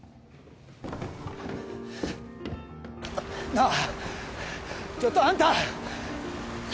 なあちょっとあんた！